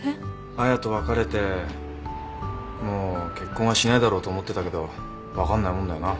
彩と別れてもう結婚はしないだろうと思ってたけど分かんないもんだよな。